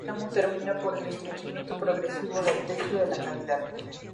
Este tramo termina por el estrechamiento progresivo del techo de la cavidad.